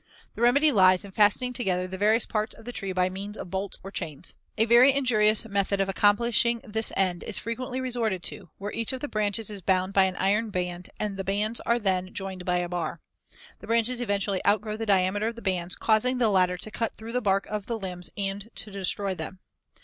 The remedy lies in fastening together the various parts of the tree by means of bolts or chains. A very injurious method of accomplishing this end is frequently resorted to, where each of the branches is bound by an iron band and the bands are then joined by a bar. The branches eventually outgrow the diameter of the bands, causing the latter to cut through the bark of the limbs and to destroy them.